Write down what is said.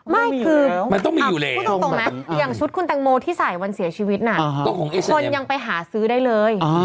ไม่คือมันต้องมีอยู่แล้วพูดตรงไหมอย่างชุดคุณแตงโมที่ใส่วันเสียชีวิตน่ะคนยังไปหาซื้อได้เลย